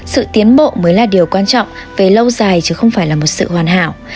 sự tiến bộ mới là điều quan trọng về lâu dài chứ không phải là một sự hoàn hảo